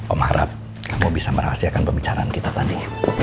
om harap kamu bisa merahasiakan pembicaraan kita tadi